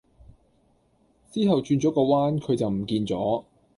之後轉左個彎佢就唔見左